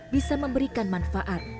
bisa memberikan manfaat